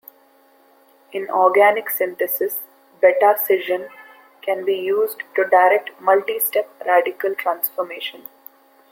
In organic synthesis, beta scission can be used to direct multistep radical transformations.